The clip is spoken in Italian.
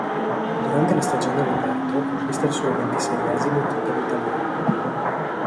Durante la stagione all'aperto conquista il suo ventiseiesimo titolo italiano.